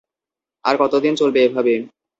আর কতোদিন চলবে এভাবে?